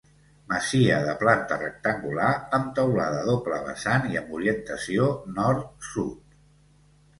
Masia de planta rectangular, amb teulada a doble vessant i amb orientació nord-sud.